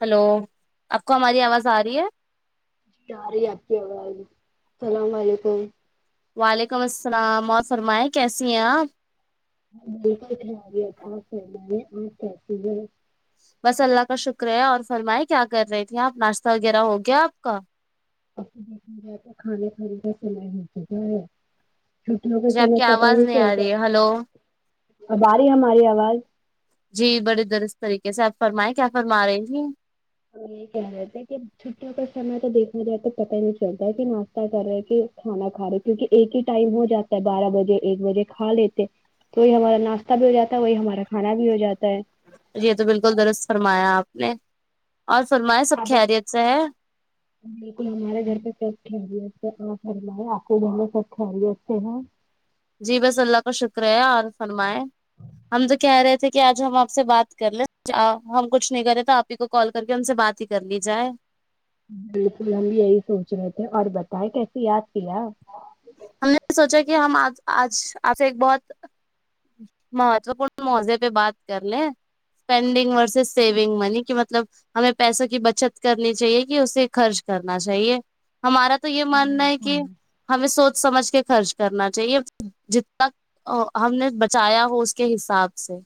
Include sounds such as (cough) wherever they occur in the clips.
hello آپ کو ہماری آواز آ رہی ہے جی ارہی آپ کی آواز سلام علیکم وعلیکم السلام اور فرمائے کیسی ہیں آپ بالکل خیریت آپ سنائیے آپ کیسے ہے بس اللہ کا شکر ہے اور فرمائے کیا کر رہی تھی آپ ناشتہ وغیرہ ہو گیا آپ کا (unintelligible) کھانا کھانے کا سمے ہو چکا ہے چھٹیوں کا جی آپ سمے کی پتا آواز ہی نہیں آ چلتا ہے رہی ہلو اب اری ہماری آواز جی بڑی درس طریقے سے آپ فرمائے کیا فرما رہی تھی ہیں ہم یہ کہ رہے تھے کہ چھٹی کا سمے تو دیکھا جائے تو پتا ہی نہیں چلتا ہے کہ ناشتہ کر رہے کہ کھانا کھا رہے کیونکہ ایک ہی ٹائم ہو جاتا ہے بارہ بجے ایک بجے کھا لیتے تو وہی ہمارا ناشتہ بھی ہو جاتا ہے وہی ہمارا کھانا بھی ہو جاتا ہے جی تو بالکل درست فرمایا آپ نے اور فرمایا سب آپ خیریت سے ہے بالکل ہمارے گھر پہ سب خیریت سے اپ فرمائیے اپ کے گھر میں سب خیریت سے ہیں جی بس اللہ کا شکر ہے اور فرمائے ہم تو کہہ رہے تھے ک کہ آج ہم آپ سے بات کر لیں ہم کچھ نہیں کرے تو آپ ہی کو کال کر کے ان سے بات ہی کر لی جائے بالکل ہم یہی سوچ رہے تھے اور بتائے کیسے یاد کیا ہم نے سوچا کہ ہم آج آج آپ سے ایک بہت مہتوپورن موزے پہ بات کر لیں اسپینڈنگ سے سیونگ منی کہ مطلب ہمیں پیسوں کی بچت کرنی چاہیے کہ اسے خرچ کرنا چاہیے ہمارا تو یہ ماننا ہے بالکل کہ ہمیں سوچ سمجھ کے خرچ کرنا چاہیے جتنا او ہم نے بچایا ہو اس کے حساب سے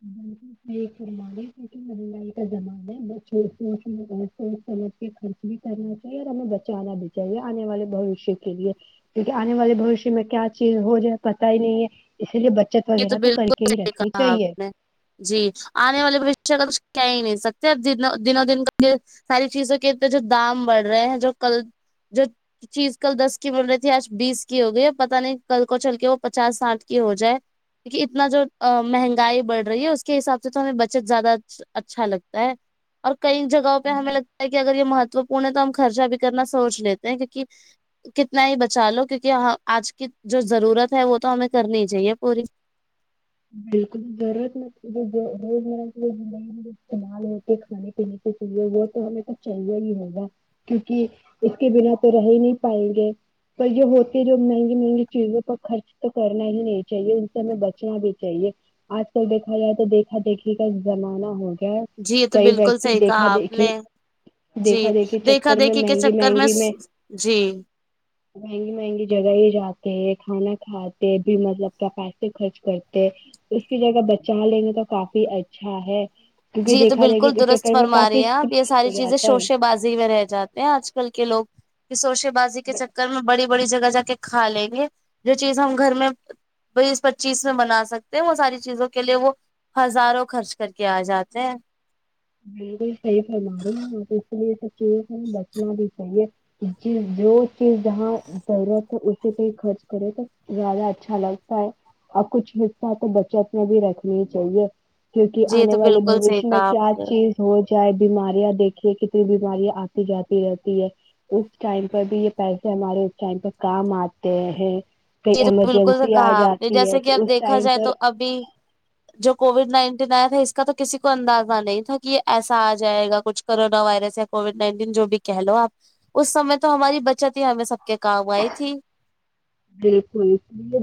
(unintelligible) صحیح فرما رہے مہنگائی کا زمانہ ہے ب چھوٹ سچ میں بہت سوچ سمجھ کے خرچ بھی کرنا چاہیے اور ہمیں بچانا بھی چاہیے چاہیے آنے والے بوشیہ کے لیے کیونکہ آنے والے بوشیہ میں کیا چیز ہو جائے پتا ہی نہیں ہے اسی لیے بچت یہ وغیرہ تو کر بالکل کے ہی صحیح رکھنی کہا چاہیے آپ نے جی آنے والے پچ (unintelligible) چاو کا کہ ہی نہیں سکتے اب جیتنے دنوں دن ساری چیزوں کے جو دام بڑھ رہے ہیں جو کل جو چیز کل دس کی مل رہی تھی آج بیس کی ہو گئی پتا نہیں کل کو چل کے وہ پچاس ساٹھ کی ہو جائے کہ اتنا جو مہنگائی بڑھ رہی ہے اس کے حساب سے تو ہمیں بچت زیادہ اچھا لگتا ہے اور کئی جگہوں پہ ہمیں لگتا ہے کہ اگر یہ مہتوپورن ہے تو ہم خرچہ بھی کرنا سوچ لیتے ہیں کیونکہ کتنا ہی بچا لو کیونکہ آج کی جو ضرورت ہے وہ تو ہمیں کرنی ہی چاہیے پوری بالکل رورت نہیںتی دو من کو ج (unintelligible) استعمال ہو کے کھانے پینے کے چیزیں وہ تو ہے تو چاہیے ہی ہوگا کیونکہ اس کے بنا تو رہ ہی نہیں پائیں گے پر یہ ہوتی ہے جو مہنگی مہنگی چیزوں پر خرچ تو کرنا ہی نہیں چاہیے ان سے ہمیں بچنا بھی چاہیے آج کل دیکھا جائے تو دیکھا دیکھی کا زمانہ ہو گیا ہے جی یہ تو کئی بالکل ویکتی صحیح دیکھا کہا آپ دیکھی نے جی دیکھا دیکھی دیکھا چکر میں دیکھی کے مہنگی چکر مہنگی میں جی مہنگی مہنگی جگہ یہ جاتے ہیں کھانا کھاتے بھی مطلب کا پیسے خرچ کر اس کی جگہ بچا لینگے تو کافی اچھا ہے کیونکہ جی یہ تو دیکھا جائے بالکل کہ کے درست چکر میں کافی فرمارہی ہیں آپ یہ استعمال ساری ہو چیزیں جاتا ہے شوشے بازی میں رہ جا آج کل کے لوگ کہ شوشے بازی کے چکر میں بڑی بڑی جگہ جا کے کھا لیں گے جو چیز ہم گھر میں بیس پچیس میں بنا سکتے ہیں وہ ساری چیزوں کے لیے وہ ہزاروں خرچ کر کے آ جات ہیں بالکل صحیح فرما رہی ہوں تو اس لیے تو چائے بچنے بھی چائے ج جو چیز جہاں ضرورت ہے پہ خرچ کرے تو زیادہ اچھا لگتا ہے اور کچھ حصہ تو بچت میں بھی رکھنی ہی چاہیے کیونکہ جی یہ آنے تو والے بالکل صحیح بھشیہ میں کہا کیا آپ نے چیز ہو جائے بیماریاں دیکھیے کتنی بیماریاں آتی جاتی رہتی ہے اس ٹائم پر بھی یہ پیسے ہمارے اس ٹائم پر کام آتے ہیں کہیں یہ تو بالکل ایمرجنسی آ کہا آپ نے جاتی ہے جیسے کہ تو اب اس دیکھا ٹائم جائے تو پر ابھی جو کووڈ نائنٹین آیا تھا اس کا تو کسی کو اندازہ نہیں تھا کہ ایسا آ جائے گا کچھ کرونا وائرس یا کووڈ نائنٹین جو بھی کہہ لو آپ اس سمے تو ہماری بچت ہی ہمیں سب کے کام آئی تھی بالکل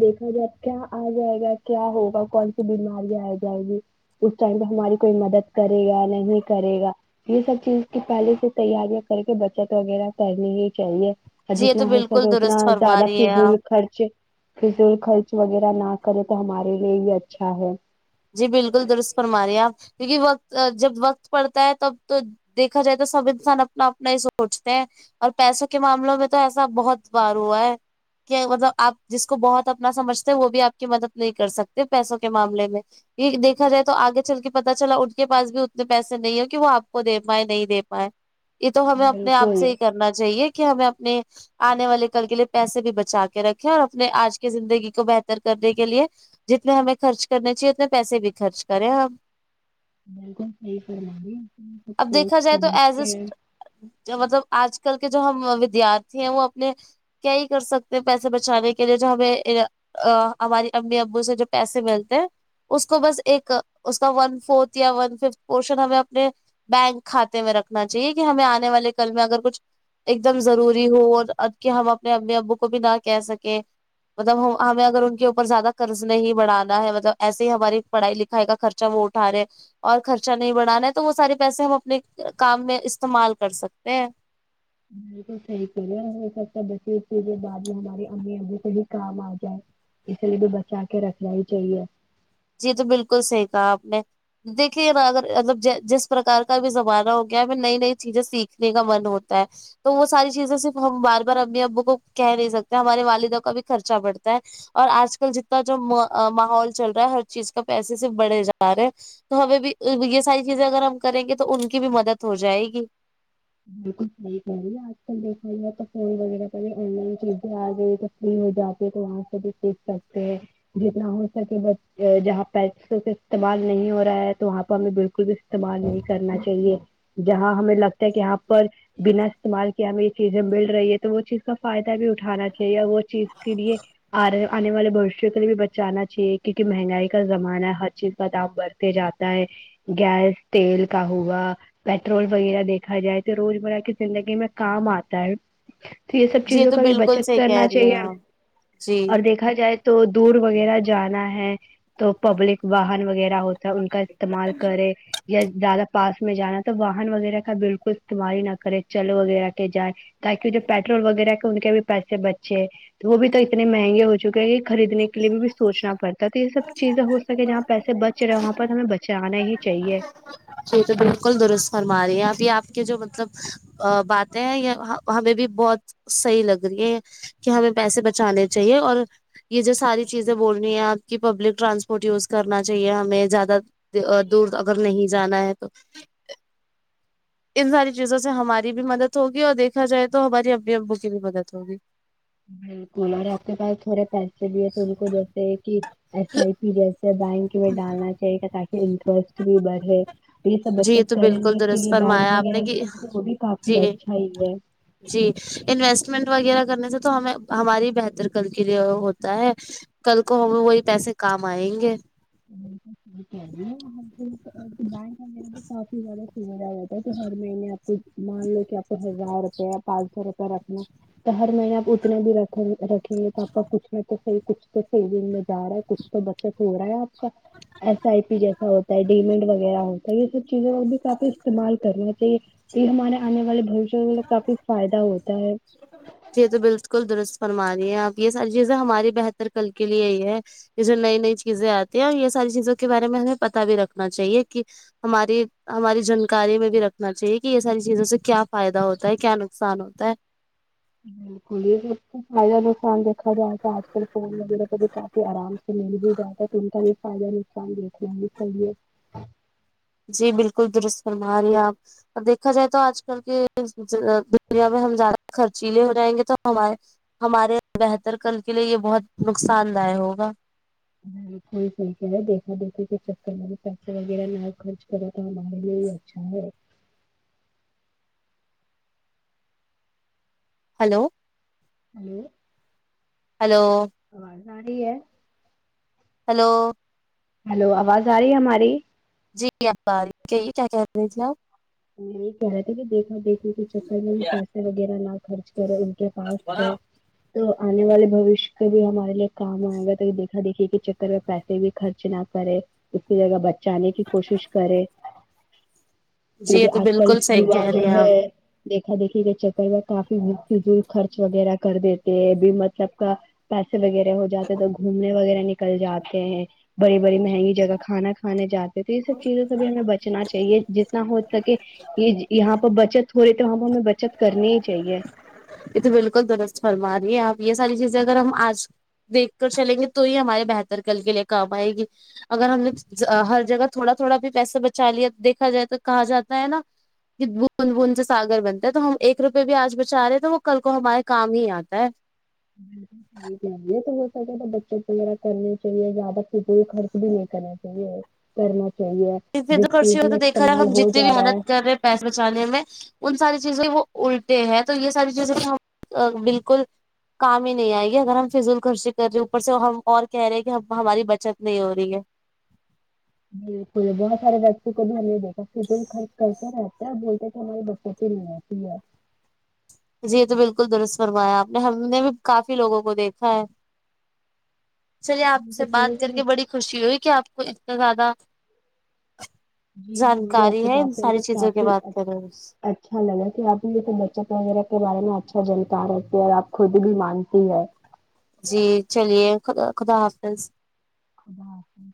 دیکھا جائے اب کیا آ جائے گا کیا ہوگا کون سی بیماریں آ جائے گی اس ٹائم پہ ہماری کوئی مدد کرے گا نہیں کرے گا یہ سب چیز کی پہلے سے تیاریاں کر کے بچت وغیرہ کرنی ہی چاہیے جی یہ جتنا تو ہو سکے بالکل اتنا درست فرما زیادہ رہی ہے آپ فضول خرچ فضول خرچ وغیرہ نہ کرے تو ہمارے لیے ہی اچھا ہے جی بالکل درست فرما رہے آپ کیونکہ وقت جب وقت پڑتا ہے تب تو دیکھا جائے تو سب انسان اپنا اپنا ہی سوچتے ہیں اور پیسوں کے معاملوں میں تو ایسا بہت بار ہوا ہے کہ مطلب آپ جس کو بہت اپنا سمجھتے وہ بھی آپ کی مدد نہیں کر سکتے پیسوں کے معاملے میں یہ دیکھا جائے تو آگے چل کے پتا چلا ان کے پاس بھی اتنے پیسے نہیں ہے کہ وہ آپ کو دے پائے نہیں دے پائے یہ تو ہمیں اپنے آپ بالکل سے ہی کرنا چاہیے کہ ہمیں اپنے آنے والے کل کے لیے پیسے بھی بچا کے رکھے اور اپنے آج کی زندگی کو بہتر کرنے کے لیے جتنے ہمیں خرچ کرنے چاہیے اتنے پیسے بھی خرچ کریں ہم یہ فرمارہی ہو اب دیکھا جائے تو ایس مطلب آج کل کے جو ہم ودیارتھی ہیں وہ اپنے کیا ہی کر سکتے ہیں پیسے بچانے کے لیے جو ہمیں ا ہماری امی ابو سے جو پیسے ملتے ہیں اس کو بس ایک اس کا ون فورتھ یا ون ففتھ پورشن ہمیں اپنے بینک کھاتے میں رکھنا چاہیے کہ ہمیں آنے والے کل میں اگر کچھ ایک دم ضروری ہو اور اب کہ ہم اپنے امی ابو کو بھی نہ کہہ سکیں مطلب ہمیں اگر ان کے اوپر زیادہ قرض نہیں بڑانا ہے مطلب ایس ہماری پڑھائی لکھائی کا خرچہ وہ اٹا رہے ہیں اور خرچہ نہیں بڑھانا ہے تو وہ سارے پیسے ہم اپنے کام میں استعمال کر سکتے ہیں بالکل صحیح کرہ رہے اور ہم سب بچے بعد میں ہماری امی ابو سے بھی کام آ جائے اس لیے بھی بچا کے رکھنا ہی چاہیے جی تو بالکل صحیح کہا آپ نے دیکھیے نا اگر مطلب جس پرار کا بھی زمانہ ہو گیا ہے ہمیں نئی نئی چیزیں سیکھنے کا من ہوتا ہے تو وہ ساری چیزیں صرف ہم بار بار امی ابو کو کہہ نہیں سکتے ہمارے والدہ کا بھی خرچہ بڑھتا ہے اور آج کل جتنا جو ماحول چل رہا ہے ہر چیز کا پیسے صرف بڑے جا رہے تو ہمیں بھی یہ ساری چیزیں اگر ہم کریں گے تو ان کی بھی مدد ہو جائے گی بالکل صحیی کہہ رہی ہے آج کل دیکھا جائے تو فون وغیرہ پہے آن لائن چیزیں آ گائ تو ہو جاتی ہے تو وہاں سے بھی سیکھ سکتے ہیں جتنا ہو سکے ب جہاں پیسوں سے استعمال نہیں ہو رہا ہے تو وہاں پہ ہمیں بالکل بھی استعمال نہیں کرنا چاہیے جہاں ہمیں لگتا ہے کہ آ پر بنا استعمال کیا ہمیں یہ چیزیں مل رہی ہے تو وہ چیز کا فائدہ بھی اٹھانا چاہیے وہ چیز کے لیے آ رہے آنے والے بھویشیا کے لیے بھی بچانا چاہیے کیونکہ مہنگائی کا زمانہ ہے ہر چیز کا دام بڑھتے جاتا ہے گیس تیل کا ہوگا پیٹرول وغیرہ دیکھا جائے تو روزمرہ کی زندگی میں کام آتا ہے تو یہ سب جی چیزوں تو کا بھی بالکل بچت صحیح کرنا کہہ رہی چاہیے ہیں آپ جی اور دیکھا جائے تو دور وغیرہ جانا ہے تو پبلک واہن وغیرہ ہوتا ان کا استعمال کرے یا زیادہ پاس میں جانا تو واہن وغیرہ کا بالکل استعمال ہی نہ کرے چل وغیرہ کے جائے تاکہ وہ جو پیٹرول وغیرہ کے ان کے بھی پیسے بچے وہ بھی تو اتنے مہنگے ہو چکے ہیں خریدنے کے لیے بھی سوچنا پڑتا ہے تو یہ سب چیزیں ہو سکے جہاں پیسے بچ رہے وہاں پر ہمیں بچانا ہی چاہیے جی تو بالکل درست فرما رہی ہیں ابھی آپ کے جو مطلب ا باتیں ہیں یہ ہمیں بھی بہت صحیح لگ رہی ہے کہ ہمیں پیسے بچانے چاہیے اور یہ جو ساری چیزیں بول رہی ہیں آپ کی پبلک ٹرانسپورٹ یوز کرنا چاہیے ہمیں زیادہ دور اگر نہیں جانا ہے تو ان ساری چیزوں سے ہماری بھی مدد ہوگی اور دیکھا جائے تو ہماری امی ابو کی بھی مدد ہوگی بالکل اورے آپ کے پاس تھوڑے پیسے بھی ہے تو ان کو جیسے کہ ایس آئی پی جیسے بینک میں ڈالنا چاہیےا تاکہ انٹرسٹ بھی بڑھے یہ سب جی بچت تو بالکل کرنے کے درست لیے بینک فرمایا آپ نے کہ وغیرہ وہ بھی کافی جی اچھا ہی ہے جی انویسٹمنٹ وغیرہ کرنے سے تو ہمیں ہماری بہتر کر کے لیے ہوتا ہے کل کو ہم وہی پیسے کام آئیں گے (unintelligible) ا رہتا ہے تو ہر مہینے آپ کو مان لو کہ آپ کو ہزار روپیہ پانچ سو روپے رکھنا تو ہر مہینے آپ اتنے بھی رکھ رکھیں گے تو آپ کا کچھ نہ تو صحیح کچھ تو صحی دن میں جا رہا ہے کچھ تو بچت ہو رہا ہے آپ کا ایس آئی پی جیسا ہوتا ہے ڈیمینٹ وغیرہ ہوتا ہے یہ سب چیزوں کو بھی کافی استعمال کرنا چاہیے یہ ہمارے آنے والے بھوشیہ کے لی کافی فائدہ ہوتا ہے یہ تو بالکل درست فرما رہی ہیں آپ یہ ساری چیزیں ہماری بہتر کل کے لیے ہی ہے یہ جو نئی نئی چیزیں آتی ہیں یہ ساری چیزوں کے بارے میں ہمیں پتا بھی رکھنا چاہیے کہ ہماری ہماری جانکاری میں بھی رکھنا چاہیے کہ یہ ساری چیزوں سے کیا فائدہ ہوتا ہے کیا نقصان ہوتا ہے بالکل یہ فائدہ نقصان دیکھا جائےتو آج کل فون وغیرہ کا کافی آرام سے مل بھی جاتا ہے تو ان کا بھی فائدہ نقصان دیکھنا بھی چاہیے جی بالکل درست فرما رہی ہے آپ دیکھا جائے تو آج کل کے دنیا میں ہم زیادہ خرچیلے ہو جائیں گے تو ہمارے ہمارے بہتر کل کے لیے یہ بہت نقصان دہ ہوگا بالکل صحیح ہے دیکھا دیکھے کہ چر میں پیسے وغیرہ نہ خرچ کرو تو ہمارے لیے چاہے ہلو ہلو ہلو آواز آرہی ہے ہلو ہلو آواز آ رہی ہے ہماری جی اب آرہی کہیے کیا کہہ رہے تھے آپ ہم یہ کہہ رہے تھے کہ دیکھا دیکھی کے چکر میں پیسے وغیرہ نہ خرچ کر ان کے پاس آپ ہے تو آنے والے بھواشیے کے بھی ہمارے لیے کام آئے گا تو دیکھا دیکھیے کہ چکر میں پیسے بھی خرچ نہ کرے اس کی جگہ بچانے کی کوشش کرے جی یہ کیونکہ تو آج کل بالکل صحیح کہہ یوا جو رہی ہیں ہے آپ دیکھا دیکھی کے چکر میں کافی فضول خرچ وغیرہ کر دیتے ہیں بے مطلب کا پیسے وغیرہ ہو جاتے ہیں تو گھومنے وغیرہ نکل جاتے ہیں بڑی بڑی مہنگی جگہ کھانا کھانے جاتے تو یہ سب چیزوں سے بھی ہمیں بچنا چاہیے جتنا ہو سکے کہ یہ یہاں پہ بچت ہو رہی تو وہاں پہ ہمیں بچت کرنی ہی چاہیے یہ تو بالکل درست فرما رہی ہے آپ یہ ساری چیزیں اگر ہم آج دیکھ کر چلیں گے تو ہی ہمارے بہتر کل کے لیے کام آئے گی اگر ہم نے ہر جگہ تھوڑا تھوڑا بھی پیسہ بچا لیا دیکھا جائے تو کہا جاتا ہے نا بوند بوند سے ساگر بنتا ہے تو ہم ایک روپئے بھی آج بچا رہے ہیں تو وہ کل کو ہمارے کام ہی آتا ہے یہ تو ہو سکے تو بچت وغیرہ کرنے چاہیے زیادہ فضول خرچ بھی نہیں کرنا چاہیے کرنا چاہیے فد جس کرسی چیز ہو تو میں دیکھا جائے استعمال ہم ہو جتنی بھی جا رہا ہے محنت کر رہے ہیں پیسے بچانے میں ان ساری چیزیں وہ الٹے ہیں تو یہ ساری چیزیں میں بالکل کام ہی نہیں آئے گی اگر ہم فضول خرچی کر رہے ہیں اوپر سے ہم اور کہہ رہے ہیں کہ ہماری بچت نہیں ہو رہی ہے بالکل بہت سارے بچوں کو بھی ہم نے دیکھا خرچ کرتے رہتے اور بولتے تھے ہمارے بچت کلیر کلیر جی یہ تو بالکل درست فرمایا آپ نے ہم نے بھی کافی لوگوں کو دیکھا ہے چلیے آپ ان سے سب بات چیزوں کر بھی کے بڑی خوشی ہوئی کہ آپ کو اتنا زیادہ جی مجھے جانکاری آپ سے ہے ان بات کر ساری کے چیزوں کی کافی بات کرو اچ- اچھا لگا کہ آپ بھی تو بچت وغیرہ کے بارے میں اچھا جانکار رہتی ہے اور آپ خود بھی مانتی ہے جی چلیے خداخدا حافظ خدا حافظ